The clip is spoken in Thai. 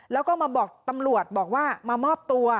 แล้วก็มาบอกตำรวจบอกว่ามามอบตัว